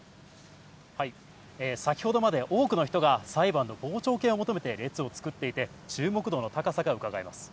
先ほどまで多くの人が裁判の傍聴券を求めて列を作っていて、注目度の高さがうかがえます。